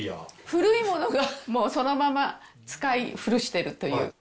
古いものが、もうそのまま、使い古してるという。